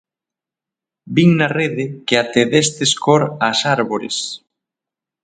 Vin na rede que até destes cor ás árbores...